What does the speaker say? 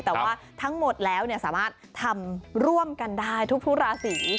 แต่ว่าทั้งหมดแล้วสามารถทำร่วมกันได้ทุกราศี